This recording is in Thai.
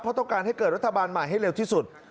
เพราะต้องการให้เกิดรัฐบาลใหม่ให้เร็วที่สุด